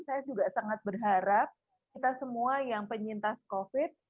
saya juga sangat berharap kita semua yang penyintas covid